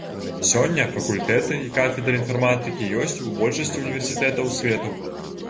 Сёння факультэты і кафедры інфарматыкі ёсць у большасці універсітэтаў свету.